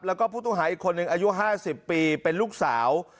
แล้วก็ผู้ต้องหาอีกคนหนึ่งอายุ๕๐ปีเป็นลูกสาว